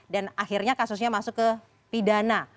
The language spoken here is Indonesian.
dan akhirnya kasusnya masuk ke pidana